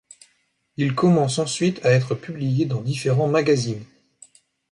Il commence ensuite à être publié dans différents magazines.